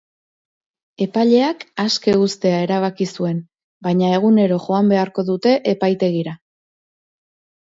Epaileak aske uztea erabaki zuen, baina egunero joan beharko dute epaitegira.